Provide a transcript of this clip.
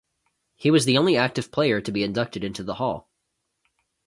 He was the only active player to be inducted into the Hall.